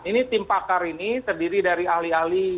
ini tim pakar ini terdiri dari ahli ahli